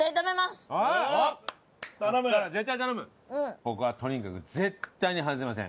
ここはとにかく絶対に外せません。